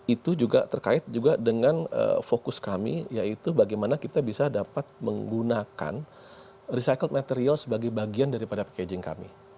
itu juga terkait juga dengan fokus kami yaitu bagaimana kita bisa dapat menggunakan recycled material sebagai bagian daripada packaging kami